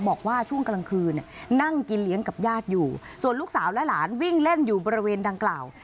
บอกว่าช่วงกลางคืนนั่งกินเลี้ยงกับญาติอยู่ส่วนลูกสาวและหลานวิ่งเล่นอยู่บริเวณดังกล่าว